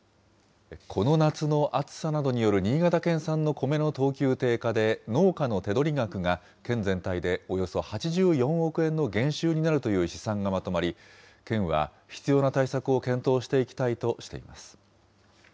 この夏の暑さなどによる新潟県産のコメの等級低下で、農家の手取り額が県全体でおよそ８４億円の減収になるという試算がまとまり、県は必要な対策を検討していきたいとしています。